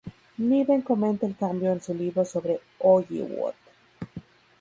Niven comenta el cambio en su libro sobre Hollywood.